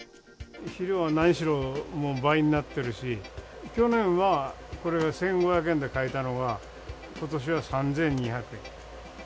肥料は何しろ、もう倍になってるし、去年は、これが１５００円で買えたのが、ことしは３２００円。